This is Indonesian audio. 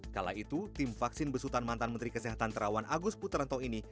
kala itu tim vaksin besutan mantan menteri kesehatan terawan agus putranto ini